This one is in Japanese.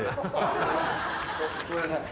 ごめんなさい。